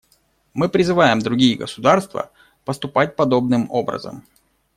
Мы призываем другие государства поступать подобным образом.